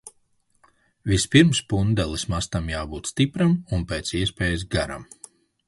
Vispirms pundeles mastam jābūt stipram un pēc iespējas garam.